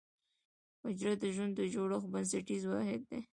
حجره د ژوند د جوړښت بنسټیز واحد دی